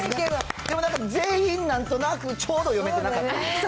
でもなんか、全員、なんとなーくちょうど読めてなかった。